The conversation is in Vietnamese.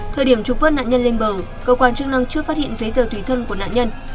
thời điểm trục vớt nạn nhân lên bờ cơ quan chức năng chưa phát hiện giấy tờ tùy thân của nạn nhân